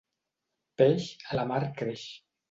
Peix, a la mar creix.